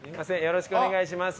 よろしくお願いします